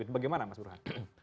bagaimana mas burhan